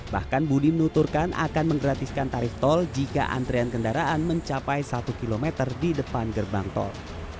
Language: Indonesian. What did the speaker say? bahkan budi menuturkan akan menggratiskan tarif tol jika antrian kendaraan mencapai satu km di depan gerbang tol